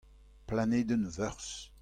Planedenn Veurzh.